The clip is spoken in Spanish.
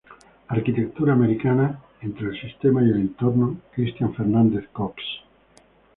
La arquitectura americana entre el sistema y el entorno", Cristian Fernández Cox.